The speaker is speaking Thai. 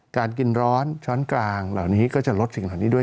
การกินร้อนช้อนกลางเหล่านี้ก็จะลดสิ่งเหล่านี้ด้วย